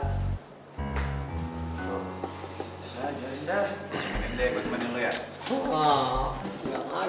terima kasih pak